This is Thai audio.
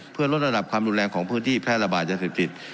เพื่อลดระดับความรุนแรงของพื้นที่แพร่ระบาดยาเสพติด